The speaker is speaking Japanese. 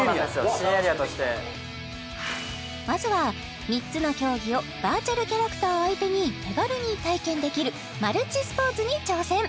新エリアとしてまずは３つの競技をバーチャルキャラクターを相手に手軽に体験できるマルチスポーツに挑戦